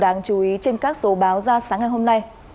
đáng chú ý trên các số báo ra sáng ngày hôm nay